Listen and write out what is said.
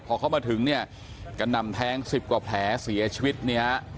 พอเข้ามาถึงเนี่ยกระหน่ำแทง๑๐กว่าแผลเสียชีวิตเนี่ย